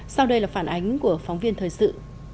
sau đây là phản ánh của phóng viên thời sự